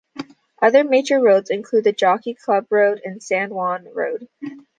Other major roads include the Jockey Club Road and San Wan Road.